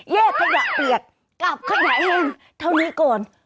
แยกขยะเปรียบกลับขยะให้เท่านี้ก่อน